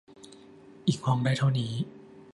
อีกห้องได้เท่านี้